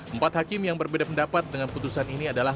empat hakim yang berbeda pendapat dengan putusan ini adalah